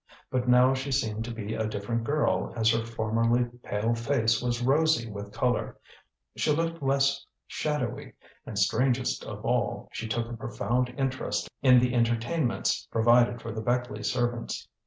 But now she seemed to be a different girl as her formerly pale face was rosy with colour; she looked less shadowy, and strangest of all, she took a profound interest in the entertainments provided for the Beckleigh servants.